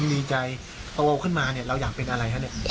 ดีใจโตขึ้นมาเนี่ยเราอยากเป็นอะไรฮะเนี่ย